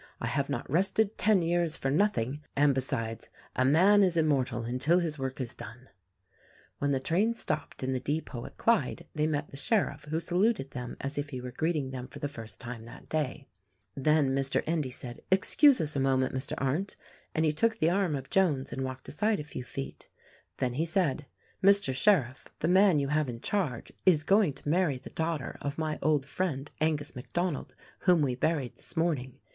I have not rested ten years for nothing. And, besides, 'a man is immortal until his work is done.' " When the train stopped in the depot at Clyde they met the sheriff who saluted them as if he were greeting them for the first time that day. Then Mr. Endy said: "Excuse us a moment, Mr. Arndt," and he took the arm of Jones and walked aside a few feet. Then he said, "Mr. Sheriff, the man you have in charge is going to marry the daughter of my old friend Angus MacDonald whom we buried this morning.